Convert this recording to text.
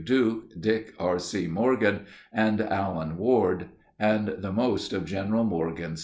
] Duke, Dick [R.C.] Morgan, and Allen [Ward?], and the most of General Morgan's staff.